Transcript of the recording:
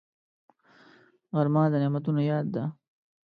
غرمه د نعمتونو یاد ده